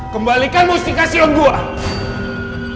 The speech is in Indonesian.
kembalikan mustika sion gue